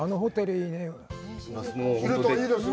いい旅ですよね。